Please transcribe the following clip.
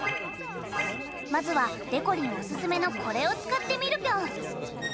まずはでこりんおすすめのこれをつかってみるピョン！